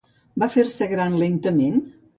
Va fer-se gran lentament?